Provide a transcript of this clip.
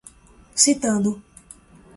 citando